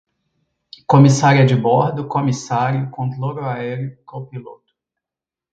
comissária de bordo, comissário, controlo aéreo, copiloto